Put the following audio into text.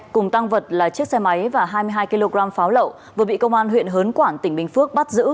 cùng tăng vật là chiếc xe máy và hai mươi hai kg pháo lậu vừa bị công an huyện hớn quản tỉnh bình phước bắt giữ